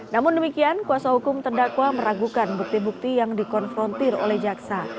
namun demikian kuasa hukum terdakwa meragukan bukti bukti yang dikonfrontir oleh jaksa